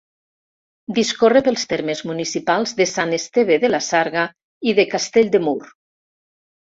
Discorre pels termes municipals de Sant Esteve de la Sarga i de Castell de Mur.